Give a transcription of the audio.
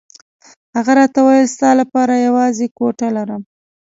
هغه راته وویل ستا لپاره یوازې کوټه لرم.